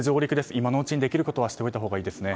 今のうちにできることはしておいたほうがいいですね。